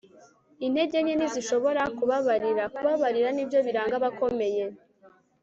intege nke ntizishobora kubabarira. kubabarira ni byo biranga abakomeye